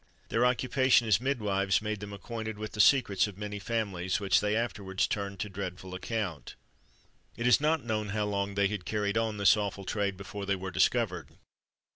Their occupation as midwives made them acquainted with the secrets of many families, which they afterwards turned to dreadful account. It is not known how long they had carried on this awful trade before they were discovered.